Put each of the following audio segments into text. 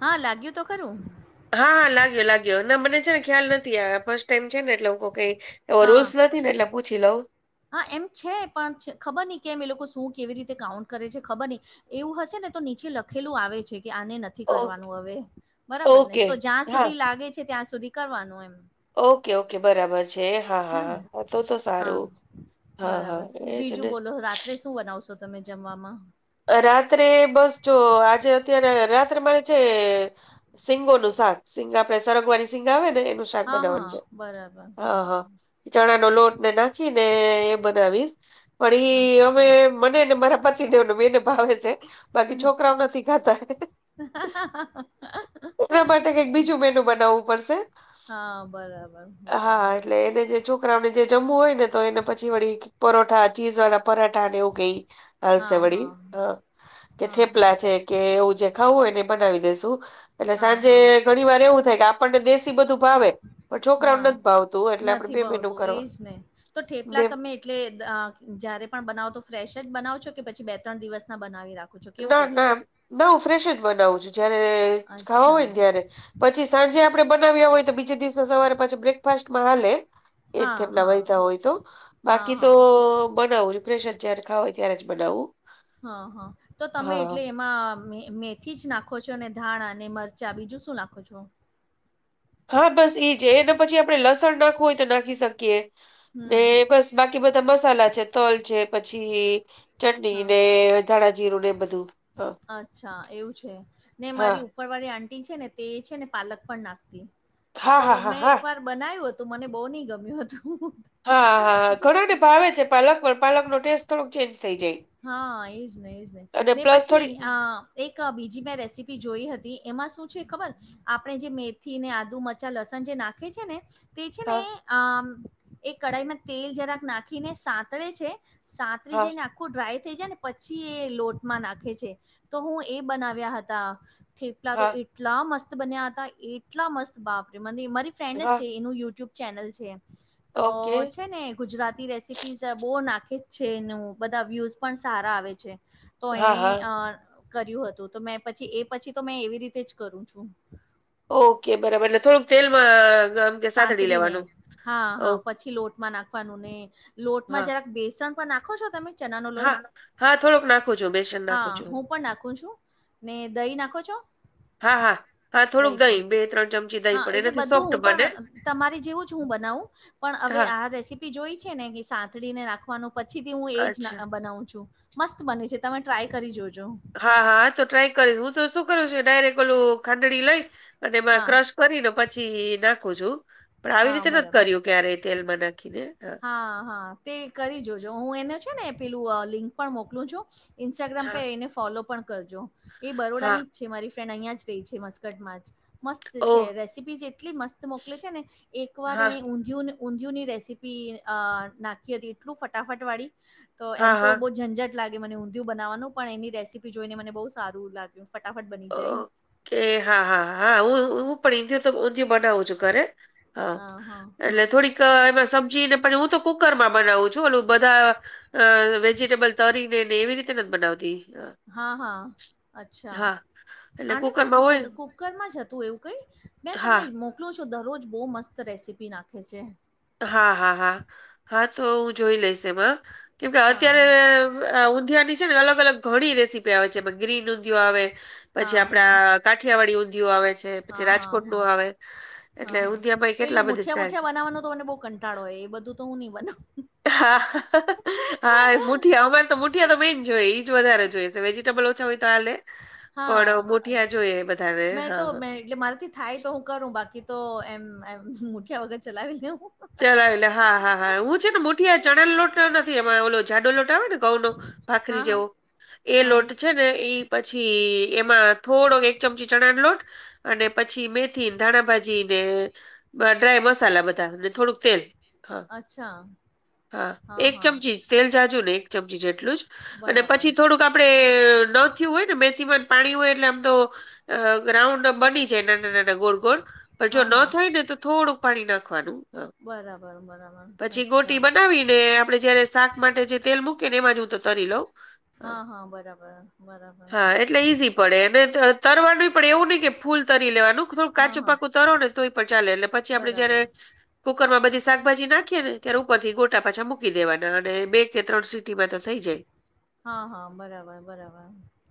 હા લાગ્યું તો ખરું હા હા લાગ્યો લાગ્યો ના મને છે ને ખ્યાલ નથી આવ્યા ફર્સ્ટ ટાઈમ છે ને એટલે હ કઈ એવો રૂલ્સ હા નથી ને એટલે પૂછી લઉં હા એમ છે પણ ખબર નહી કેમ એ લોકો શું કેવી રીતે કાઉન્ટ કરે છે ખબર નહી એવું હશે ને તો નીચે લખેલું આવે છે કે આને નથી ઓક કરવાનું હવે બરાબર ને ઓકે. તો જ્યાં હા. સુધી લાગે છે ત્યાં સુધી કરવાનું એમ ઓકે ઓકે બરાબર છે હા હે ને હા તો તો હા સારું હા, બરાબર હા. એ જ બીજું ને. બોલો રાત્રે શું બનાવશો તમે જમવામાં રાત્રે બસ જો આજે અત્યારે રાત્રે મારે છે સિંગોનુંું શાક સિંગ આપણે સરગવાની સીંગ આવે ને એનું શાક હા હા બરાબર બરાબર ચણાનોો લોટ ને નાખી ને એ બનાવીશ પણ ઈ અમે અચ્છા મને ને મારા પતિ દેવ એને ભાવે છે બાકી છોકરાઓ નથી ખાતા એના માટે કઈક એ- બીજું મેનુ બનાવવું પડશે હા બરાબર હા બરાબર એટલે એને જે છોકરાઓને જે જમવું હોય ને તો એને પછી વળી પરઠા ચીઝ વાળા પરાઠાને એવું કઈ હાલશે હા હા કે હા હા થેપલા છે કે એવું જે ખાવું હોય એને બનાવી દેસુ એટલે હા સાંજે હા ઘણી વાર એવું થાય કે આપણને દેશી બધું ભાવે પણ છોકરાને હા નથી ભાવતા નથી ભાવતું એજ ને તો બે ઠેપલા તમે એટલે જ્યારે પણ બનાવો તો ફ્રેશ જ બનાવ છો કે પછી બે ત્રણ દિવસના બનાવી રાખો છો કેવું ના કરો ના છો ના હું ફ્રેશ જ બનાવું છું જયારે ખાવા હોય અચ્છા ને ત્યારે પછી સાંજે આપડણે બનાવ્યા હોય તો બીજે દિવસે સવારે પાછ બ્રેકફાસ્ટમાં હાલે એ જ હા તેમના હા વહેતા હોય તો હા બાકી તો હા બનાવુંપેશન રખા હોય ત્યારે જ બનાવું હા હા તો તમે હા એટલે એમાં મે થી જ નાખો છો અને ધાણા અને મરચા બીજું શું નાખો છો? હા બસ ઈજ એને પછી આપડણે લસણ નાખવું હોય તો નાખી શકીએ ને હમ બસ બાકી બધા મસાલા છે તલ છે પછી ચટણી હા ને ધાણાજીરું ને બધું હ અચ્છા એ એવું છે ને મારી ઉપર વાળી આંટી છે ને તે છે ને પાલક પણ નાખતી હા તો હા હા મેં એક હા વાર બનાવ્યું હતું મને બહુ નહિ ગમ્યું હતું હા હા ઘણા ને ભાવે છે પાલક પણ પાલક નો ટેસ્ટ થોડુંક ચેન્જ થાય હા એજ ને એજ ને અને ને પ્લસ પછી થોડીક આ એક બીજી મેં રેસીપી જોઈ હતી એમાં શું છે ખબર આપણે જે મેથી ને આદુ મ રચાં લસણ જે નાખે છે ને તે હા આ એ કઢાઈમાં તેલ જરાક નાખીને સાતળે છે સાતરી હા જે નખ આખું ડ્રાય થઈ જાય ને પછી એ લોટમાં નાખે છે તો હું એ બનાવ્યા હતા થેપલા તો હા એટલા મસ્ત બન્યા હતા એટલા મસ્ત બાપરે મને મારી ફ્રેન્ડ જ હા છે એનું યુટ્યુબ ચેનલ છે ઓકે તો છે ને ગુજરાતી રેસી પીશ બહુ નાખે જ છે એનું બધા વ્યુઝ પણ સારા આવે છે. તો હા હા એણે અ કર્યું હતું તો મે પછી એ પછી તો મે એવી રીતે જ કરું છું. ઓકે બરાબર એટલે થોડુંક તેલમાં કે સાતડી સાંતડીને લેવાનું હા ઓ હા પછી લોટમાં નાખવાનું ને હા લોટમાં જરા બેસણ પણ નાખો છો તમે? ચના નો હા લોટ હા થોડુંક નાખું છું બેસન હા નાખું છું હું પણ નાખું છું. ને દહી નાખો છો? હા હા હા થોડુંક દહીં બે ત્રણ ચમચી દહીં પડે એ ના થી સોફ્ટ બને તમારે જેવું જ હું બનાવું પણ હવે હા આ રેસીપી જોઈ છે ને કે સાંતળીને નાખ વાનું પછીથી હું એ જ અચ્છા બનાવું છું મસ્ત બને છે તમે ટ્રાય કરી જોજો હા હા તો ટ્રાય કરીશ હું તો શું કરું છું ડાયરેક્ટ ઓલું ખાંડડી લઈ અને એમાં હા ક્રશ કરીને પછી નાખું છું પણ આવી હા રીતે ન બરાબર કર્યું ક્યારે તેલમાં નાખીને હા હા હા તે કરી જોજો હું એને છે ને પેલું લિંક પણ મોકલું છું. ઇન્સ્ટાગ્રામ પે હા એને ફોલો પણ કરજો એ હા બરોડાની જ છે મારી ફ્રેન્ડ અહીં જ રહી છે મસ્કટમાં જ મસ્ત છે ઓહ રેસીપીઝ એટલી મસ્ત મોકલે છે ને એકવાર હા એણે ઊંધિયું ન ઊંધિયુંની રેસી નાખી હતી એટલું ફટાફટ વાળી તો હા એમ તો હા બહુ ઝંઝટ લાગે મને ઊંધિયું બનાવવાનું પણ એની રેસીપી જોઈને મને બહુ સારું લાગ્યું ફટાફટ બની જાય કે હા હા હા પણ તો ઊંધિયું બનાઉ છું ઘરે હ હા હા એટલે થોડી એમાં સબ્જી ને પછ હું તો કુકર માં બનાવું છું ઓલું બધા અ વેજીિટેબલ તરીને ને એવી રીતે નથી બનાવતી અ, હા હા અચ્છા હા એટલે આને પણ કુકરમાં હોય કુકદ ને. કુકરમાં જ હતું એવું કઈ મેં હા તમને મો કલુ છુ દરરોજ બહુ મસ્ત રેસીપી નાખે છે. હા હા હા હા તો હું જોઈ લઈશ એમાં કેમકે હા અત્યારે ઊંધીયાની છે ને અલગ અલગ ઘણી રેસીપી આવે છે ગ્રીન ઊંધિયો આવે પછી હા હા હા આપડા કાઠિયાવાડી ઊંધિયો આવે છે પછી હા હા રાજકોટ નું આવે હા એટલે હા ઊંધિયામાં ય કેટલા પેલું બધી મુઠિયા સ્ટાઇલ છે મુઠિયા બનાવવાનો તો મને બહુ કંટાળો હોય એ બધું તો હું નહી બનાવ હા હા એ મુઠિયા અમારે તો મુઠિયા તો મે જોએ ઈજ વધારે જોય છે વેજીિટેબલ છ હોય તો હાલે પણ હા મુઠિયા જોઈએ બધાને મેં તો હા હ મે એટલે મારાથી થાય તો હું કરું બાકી તો એમ મુઠ્યા વગર ચલાવી લેવુ ચલાવ લે હા હા હા હું છે ને મુઠીયા ચણા લોટ નથી એમાં ઓલો જાડો લોટ આવે ને ઘઉ નો હા ભાખરી હા જેવો એ હા લોટ છે ને એઈ પછી એમાં થોડોક એક ચમચી ચણા લોટ અને પછી મેથી ધાણાભાજી ને ડ્રાય મસાલા બધા થોડુંક તેલ હા અચ્છા હા એક ચમચી તેલ જાજુ ને એક ચમચી જેટલું જ અને બરાબર પછી થોડુંક આપણે નયું હોય ને મેસીમાન પાણી હોય એટલે આમ તો ગ્રાઉન્ડ બની જે નાના નાના ગોળ ગોળ પણ જો હા ન હા થાય ને તો થોડું પાણી નાખવાનું હ બરાબર બરાબર પછી અચ્છા ગોટી બનાવીને આપડે જયારે શાક માટે જે તેલ મૂકી ને એમાં જ હું તો તરી લઉં હા હા બરાબર બરાબર હા એટલે ઈઝી પડે અને તરવાનું પણ એવું નહી કઇ કે ફૂલ તરી લેવાનું થોડું હા કાચું હા પાકું તરો ને તો પણ ચાલે એટલે પછી આપડે બરાબર જયારે કુકર માં બધી શાકભાજી નાખીએ ત્યારે ઉપર થી ગોટા પાછા મૂકી દેવાના અને બે કે ત્રણ સીટીમાં તો થઈ જાય. હા હા બરાબર બરાબર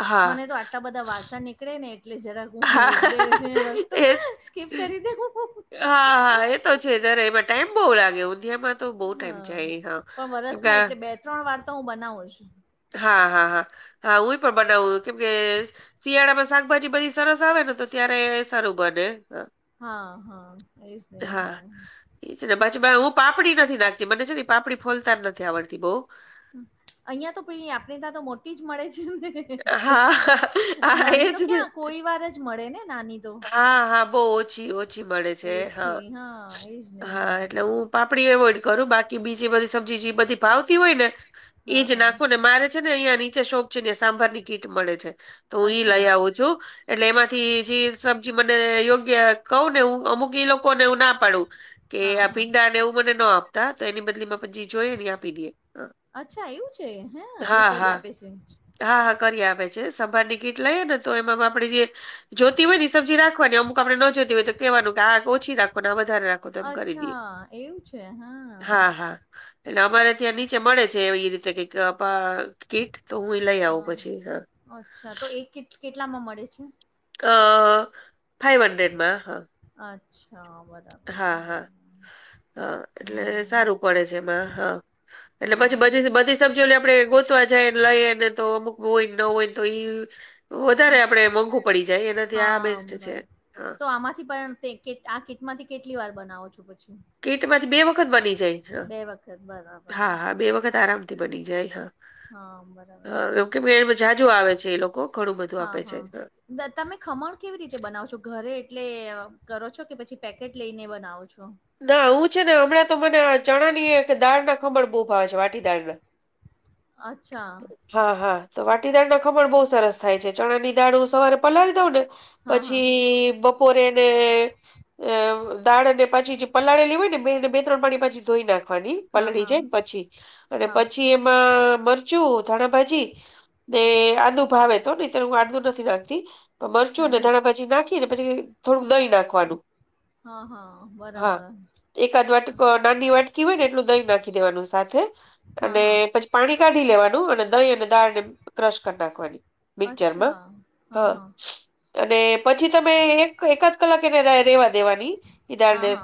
હા, મને તો આટલા બધા વાસણ નીકળે ને એટલે જરાક હું હા, એક બે વસ્તુ એ સ્કીપ કરી દઉ એજ તો છે અરે એમા ટાઈમ બહુ લાગે એમા તો બો ટાઈમ હા જાયે હ પણ કેમ કે વરસમાં આ એટલે બે ત્રણ વાર તો હું બનાવું છું હા હા હા હા હુઈ પણ બનાવવું કેમ કે શિયાળામાં શાકભાજી બધી સરસ આવે ને તો ત્યારે સારું બને હા હા એજ ને એજ હા ને એ છ ને પછી હું પાપડી નથી નાખતી મને છે ને પાપડી ફોલતા જ નથી આવડતી બઉ અહિયાં તો પે આપણે ત્યાં તો મોટી જ મળે છે એમ ને હા, હા, નાની તો એજ ને. ક્યાં કોઈ વાર જ મળે ને નાની તો હા હા બો ઓછી ઓછી મળે છે હા ઓછી હા એજ ને એજ હા ને એટલે હું પાપડી એવોઈડ કરું બાકી કે બીજી બધી સબ્જી જે બધી ભાવતી હોય ને હા એજ હા નાખો ને મારે છે ને અહિયા નીચે શોપ છે ને સાંભારની કીટ મળે છે તો હું ઈ અચ્છા લઈ આવું છું. એટલે એમાંથી જે સબજી મને યોગ્ય કહુ ને હું અમુક ઈ લોકોને હું ના પાડું. કે હા આ હા ભીંડા ને એવું મને ન આપતા તો એની બદલી પછી જોઈ આપી દે. અચ્છા એવું છે હે એવું કરી હા આપે છે. હા હા કરી આપ છે સંભાર ની કિટ લઈએ ને તો એમાં આપડે જે જોતી હોય ને સબ્જી રાખવાની અમુક આપડણે ન જોતી હોય તો કે આ ઓછી રાખવા વધારે રાખ. અચ્છા એવું છે હા. એટલે અમારે ત્યાં નીચે મળે છે એવી રીતે કઈ કીટ તો હું. લઈ આવું હા, પછી હા. અચ્છા તો એક કીટ કેટલામાં મળે છે. અ ફાઈવ હન્ડ્રેડમાં હા. અચ્છા. બરાબર, હા હા બરાબર. હા એટલે હમ્મ. સારું પડે છે એમાં હા એટલે હા, પછી હા. બધી બધી સબજી આપડે ગોતવા જાય ને લઈએ ને તો અમુક હોય ને ન હોય તો ઈ વધારે આપણે મોંઘું પડી જાય એનાથી આ બેસ્ટ છે હા. પામાથી પણ તે આ કીટ માંથી કેટલી વાર બનાવો છો પછી. કીટમાંથી બે વખત બની જાય હા બે વખત. બરાબર, હા હા બે બરાબર. વખત આરામથી બની જાય હા. હા, બરાબર, હ એમ કે બે બરાબર. બ જાજુ આવે છે એ લોકો ઘણું બધું હા, આપે છે. હા. તમે ખમણ કેવી રીતે બનાવો છો ઘરે એટલે કરો છો કે પછી પેકેટ લઈને બનાવો છો. ના હું છે ને હમણાં તો મને ચણાની એક દાળ ના ખમણ બહુ ભાવે છે વાટી દાળના. અચ્છા. હા હા તો વાટી દાળ ના ખમણ બહુ સરસ થાય છે ચણા ની દાળ સવારે પલાળી દઉં ને હા, હા. પછી બપોરેને અ દાળને પછી પલાળેલી હો ને બેને બે ત્રણ પાણી પાછી ધોઈ નાખે ની હા, પલળી હા. જાયને પછી અને હા. પછી એમાં મ ધાણાભાજી ને આંદુ ભાવે તો નીત્યારે હું આંદુ નથી નાખતી મરચું હા, ને હા. ધાણા ભાજી નાખી ને પછી થોડું દહીં નાખવાનું. હા હા હા બરાબર. એકાદ વાટક અચ્છા નાની વાટકી હોય ને એટલું દહી નાખી દેવાનું સાથે હા અને હા પછી પાણી કાઢી લેવાનું અને દહી અને દાળને ક્રશ કરી નાખવાની મિક્ચર માં હા. અને પછી તમે એક એકદ કલાક એને રેવા દેવાની હા એધાને હા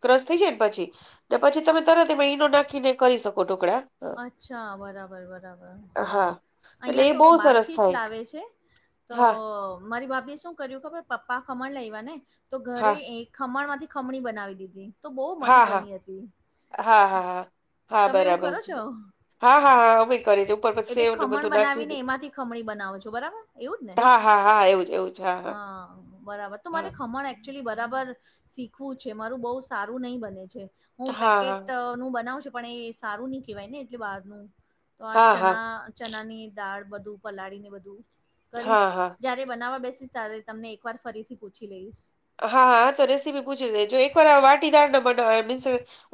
ક્રસ થઈ જાય ને પછી ને પછી તમે તરત એમાં ઈનો નાખીને કરી શકો ટુકડા. અચ્છા બરાબર બરાબર હા એટલે અહિયાં એ તો બહુ સરસ બહારથી જ થાય લાવે છે તો મારી ભાભીએ શું કર્યું ખબર પપ્પા ખમણ લયવા ને તો ઘરે હા એક ખમણમાંથી ખમણી બનાવી દીધી તો બહુ મસ્ત હા હા હા બની હતી હા હા હા. તમે એવું બરાબર કરો છે છો. હા હા હા અમે કરીએ છીએ ઉપર પછી એટલે સેવને ખમણ બધું બનાવીને નાખીને એમાંથી ખમણી બનાવો છો બરાબર. એવું જ ને હા હા હા એવું જ એવું જ હા હા બરાબર તો હા મારે ખમણ ચુલી બરાબર શીખવું છે મારું બહુ સારું નહી બને છે હું હા, પેકેટ હા, હું બનાવ છું પણ એ સારું નહી કહેવાય ને એટલે બહારનું તો આ હા, ચણા ચનાની દાળ બધું પલાળીને બધું કરીશ. હા, હા, જયારે બનાવવા બેસીશ ત્યારે તમને એક વાર ફરીથી પૂછી લઈશ. હા હા તો રેસીપી પૂછી લેજ એક વાર વાટીદાર ના બના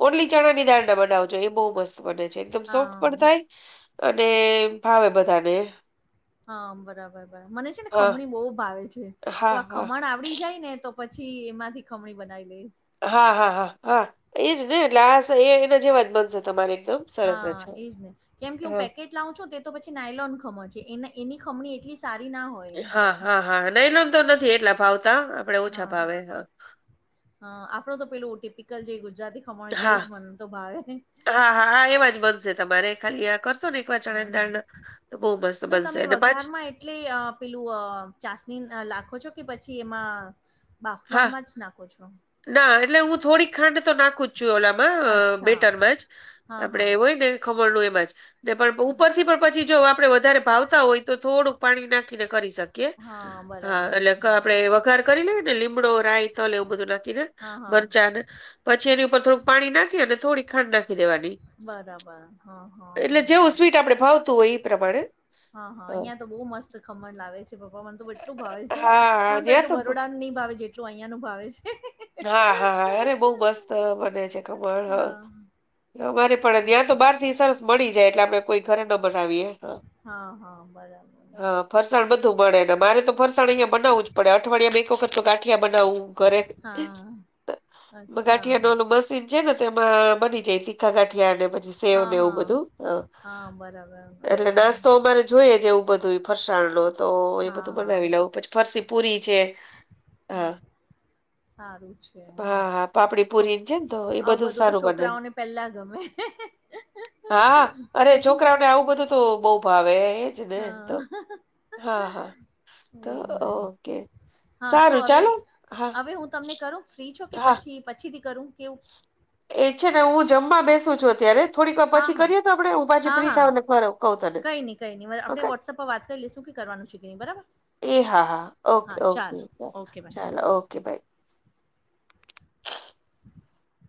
ઓલી ચણા ની દાળના બનાવજો એ બહુ મસ્ત બને છે એકદમ સોફ્ટ હા પણ થાય અને ભાવે બધાને. હા બરાબર બરાબર મને છે ને હા, ખમણી બહુ ભાવે છે તો હા, આ હા, ખમણ આવડી જાય ને તો પછી એમાંથી ખમણી બનાવી લઈશ હા હા હા હા એજ ને એટલે આ એના જે વાત બનશે તમારે એકદમ સરસ હા જ. એજ ને કેમ કે હું હોય. પેકેટ લાઉ છુ તે તો પછી નાયલોન ખમણ છે એ એની ખમણી એટલી સારી નથી હોતી હા હા હા નાઈલોન તો નથી એટલા ભાવતા આપડે ઓછા હા, ભાવે હા આપડો તો પેલું ટીપિકલ જે ગુજરાતી ખમણ તેજ હા, મન તો ભાવે હા હા એ વા જ બધું જે તમારે ખાલી આ કરશો ને એક વાર ચણા હા, દાણ હા. ના બહુ મસ્ત તો બનશે તમે અને પાંચ વઘારમાં એટલે અ પેલું ચાસણી લખો છો કે પછી એમાં હા બાફમાં જ નાખો છો ના એટલે હું થોડીક ખાંડ તો નાખુ છું ગ્રામ માં અચ્છા. બેટરમાં જ હા, આપડે હા. હોય ને ખમણ નું એમાં જ ને પણ ઉપરથી પણ પછી જો આપડે વધારે ભાવતા હોય તો થોડુંક પાણી નાખીને કરી શકીએ હા, કે હા બરાબર, એટલે બરાબર. આપડે વઘાર કરી લેને ડો રાય તલ એવું બધું નાખીને હા, હા. મરચા ને પછી એની ઉપર થોડુંક પાણી નાખીને થોડીક ખાંડ નાખી દેવાની બરાબર. હા, હા, એટલે હા. જેવું સ્વીટ આપણે ભાવતું હોય એ પ્રમાણે હા હા અહિયાં તો બહુ મસ્ત ખમણ લાવે છે પપ્પા મન તો એટલું ભાવે છે હા મન તો ત્યાં એટલું બ- બરોડા નહી ભાવે જેટલું અહિયાં નું ભાવે છે હા હા હા અરે બહ મસ્ત બને છે ખમળ હ હા, અમારે પણ એ ત્યા છે. તો બાર થી સરસ મળી જાય એટલે આપણે કોઈ ઘરે ન બનાવીએે. હા, હા બરાબર ફરસાણ બધું મળે ને મારે તો ફરસાણ અહીંયા બનાવું જ પડે અઠવાડિયામાં એક વખત તો ગાંઠિયા બનાવવું ઘરે હા અચ્છા ગાંઠિયાનું ઓલું મશીન છે ને તેમાં બની જાય તીખા ગાઠિયા અને સેવ હા, ને એવું હા. બધું હા, બરાબર, એટલે બરાબર. નાસ્તો અમારે જોઈજ એવુ બધું ફરસાણ લો તો એ હા, બધું હા, બનાવી લઉું પછી ફરસી પુરી છે હા સારું છે. હા હા પાપડી છોક પુરી છે ને તો એ આવું બધું તો સારું બને. છોકરાઓને પેલા ગમે. હા અરે છોકરાઓને આવું બધું તો બહુ ભાવે. જેને હા, તો હા હા તો એ જ ને. ઓકે હા, તો સારું હવે ચાલો હા હવે હું તમને કરુ ફ્રી છો કે હા પછી પછીથી કરું કેવુ એ છે ને હું જમવા બેસું છું અત્યારે. થોડીક વાર હા પછી હા કરીએ તો આપણે હું પાછી હા ફ્રી હા થાવ ને ખરો કહું તને કઈ નહી કઈ નહી ઓકે આપણે વોટ્સઅપ પર વાત કરી લઈ શું કે કરવાનું છે. બરાબર એ હા હા ઓકે હા ઓકે ચાલો ઓકે બાય ચાલો ઓકે [inaudible] [inaudible]